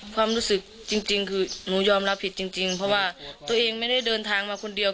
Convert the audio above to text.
ความรู้สึกจริงคือหนูยอมรับผิดจริงเพราะว่าตัวเองไม่ได้เดินทางมาคนเดียว